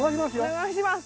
お願いします。